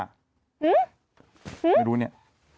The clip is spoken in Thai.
ไม่รู้เนี่ย